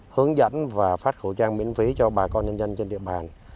hướng dẫn và phát khẩu trang miễn phí cho bà con nhân dân trên địa bàn